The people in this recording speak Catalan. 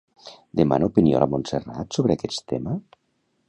Demana opinió a la Montserrat sobre aquest tema?